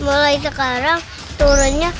mulai sekarang turunnya